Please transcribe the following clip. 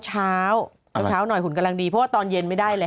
เช้าเช้าหน่อยหุ่นกำลังดีเพราะว่าตอนเย็นไม่ได้แล้ว